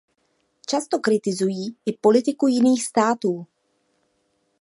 Často kritizují i politiku jiných států.